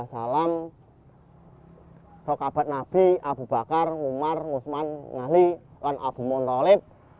soekabat nabi abu bakar umar usman nghali dan abu muntalib